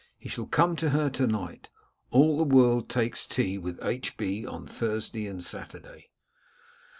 He shall come to her to night. All the world takes tea with H. B. on Thursday and Saturday.